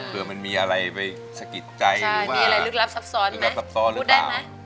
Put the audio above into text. เผื่อมันมีอะไรไปสะกิดใจมีอะไรลึกลับซับซ้อนลึกลับซับซ้อนหรือเปล่า